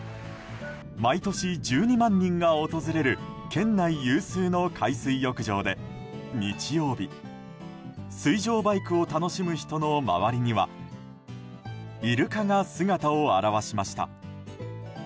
毎年１２万人が訪れる県内有数の海水浴場で日曜日、水上バイクを楽しむ人の周りにはイルカが姿を現しました。